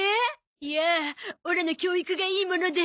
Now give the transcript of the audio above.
いやあオラの教育がいいもので。